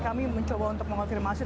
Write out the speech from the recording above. kami mencoba untuk mengonfirmasi